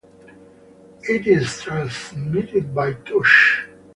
It is transmitted by touch.